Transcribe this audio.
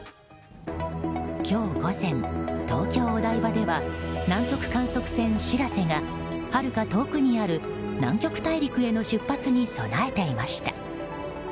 今日午前、東京・お台場では南極観測船「しらせ」がはるか遠くにある南極大陸への出発に備えていました。